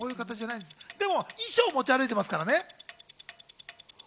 衣装を持ち歩いてますからね。